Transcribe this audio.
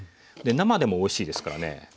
で生でもおいしいですからね。